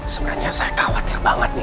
sebenarnya saya khawatir banget nih